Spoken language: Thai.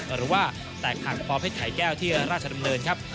หรือว่าแตกหักปอเพชรไข่แก้วที่ราชดำเนินครับ